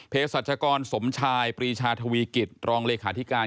เพศศจกรสมชายปรีชาธวีกิจรองเลยคาธิการ